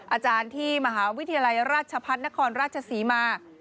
อาจารย์ที่มหาวิทยาลัยราชพัฒนครราชศรีมา